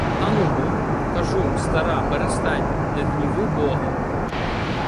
— Та ну-бо, кажу, стара, перестань — не гніви Бога.